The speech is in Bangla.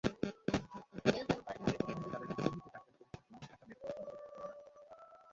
একই সঙ্গে তাঁরা গৃহকর্মীকে ডাক্তারি পরীক্ষার জন্য ঢাকা মেডিকেল কলেজে ভর্তি করান।